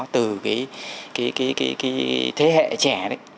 từ cái thế hệ trẻ